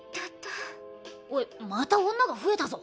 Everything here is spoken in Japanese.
おいまた女が増えたぞ。